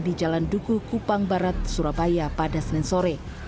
di jalan duku kupang barat surabaya pada senin sore